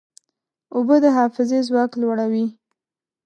اوبه د حافظې ځواک لوړوي.